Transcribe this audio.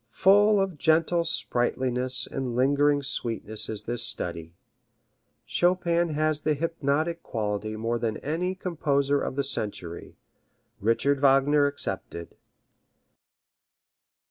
Full of gentle sprightliness and lingering sweetness is this study. Chopin has the hypnotic quality more than any composer of the century, Richard Wagner excepted.